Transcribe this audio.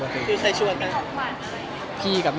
เป็นไงเขาเขินไหม